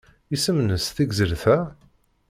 Isem-nnes tegzirt-a?